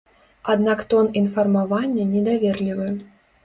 Аднак тон інфармавання недаверлівы.